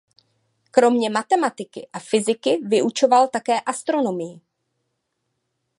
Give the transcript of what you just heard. Kromě matematiky a fyziky vyučoval také astronomii.